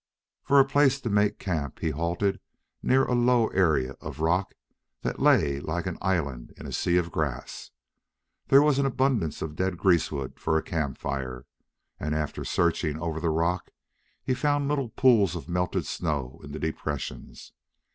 For a place to make camp he halted near a low area of rock that lay like an island in a sea of grass. There was an abundance of dead greasewood for a camp fire, and, after searching over the rock, he found little pools of melted snow in the depressions.